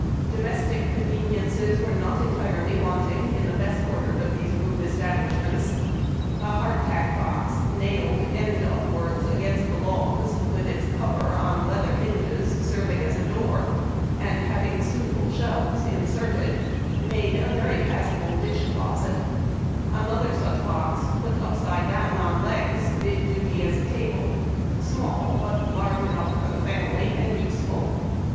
Domestic conveniences were not entirely wanting in the best ordered of these rude establishments. A hardtack box nailed end upwards against the logs with its cover on leather hinges serving as a door, and having suitable shelves in serted, made a very passable dish closet ; another such box put upside down on legs, did duty as a table — small, but large enough for the family, and useful.